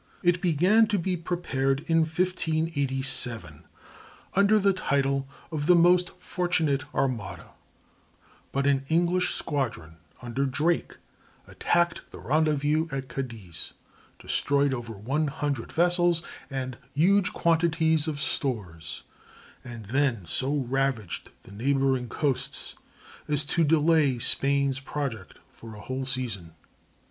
It began to be prepared in 1587 under the title of the Most Fortunate Armada, but an English squadron under Drake attacked the rendezvous at Cadiz, destroyed over one hundred vessels and huge quantities of stores, and then so ravaged the neighboring coasts as to delay Spain's project for a whole season.